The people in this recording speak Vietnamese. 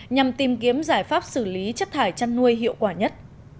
nhằm tìm kiếm giải pháp xử lý chất thải chăn nuôi hiệu quả nhất